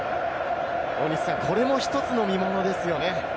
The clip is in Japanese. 大西さん、これも１つの見ものですよね。